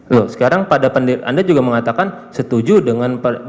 loh sekarang pada pendirian anda juga mengatakan setuju dengan berita anda